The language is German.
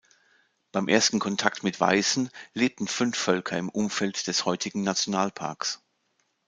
Beim ersten Kontakt mit Weißen lebten fünf Völker im Umfeld des heutigen Nationalparks.